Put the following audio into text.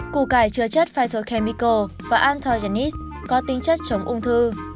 củ cải chứa chất phytochemical và anthogenics có tính chất chống ung thư